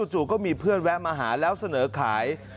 จู่ก็มีเพื่อนแวะมาหาแล้วเสนอขาย